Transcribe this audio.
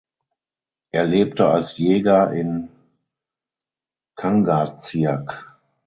Er lebte als Jäger in Kangaatsiaq.